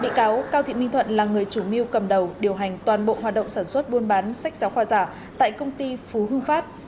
bị cáo cao thị minh thuận là người chủ mưu cầm đầu điều hành toàn bộ hoạt động sản xuất buôn bán sách giáo khoa giả tại công ty phú hưng phát